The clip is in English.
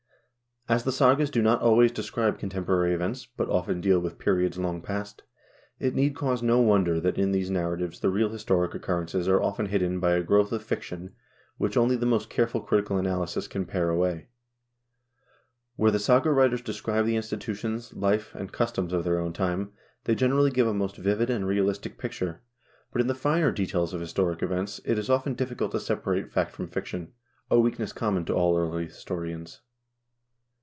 As the sagas do not always describe contemporary events, but often deal with periods long past, it need cause no wonder that in these narra tives the real historic occurrences are often hidden by a growth of fiction which only the most careful critical analysis can pare away. Where the saga writers describe the institutions, life, and customs of their own time, they generally give a most vivid and realistic picture, but in the finer details of historic events it is often difficult to separate fact from fiction, a weakness common to all early historians.